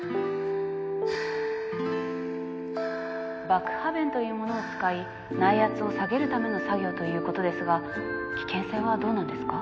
爆破弁というものを使い内圧を下げるための作業ということですが危険性はどうなんですか？